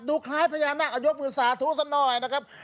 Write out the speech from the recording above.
ดูคล้ายพญานาคอโยคมือสาธุศนอยนะครับ